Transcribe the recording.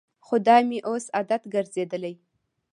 خو دا مې اوس عادت ګرځېدلی.